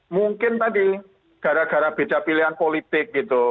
mungkin tadi gara gara beda pilihan politik gitu